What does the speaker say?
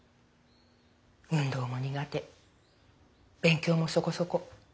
運動も苦手勉強もそこそこ。